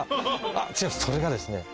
それがですね